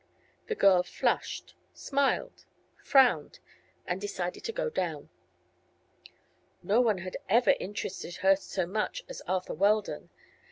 The girl flushed, smiled, frowned, and decided to go down. No one had ever interested her so much as Arthur Weldon.